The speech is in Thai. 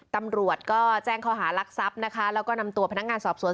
ตำรวจก็แจ้งข้อหารักทรัพย์นะคะแล้วก็นำตัวพนักงานสอบสวน